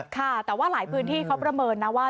ค่ะแต่ว่าหลายพื้นที่เขาประเมินนะว่า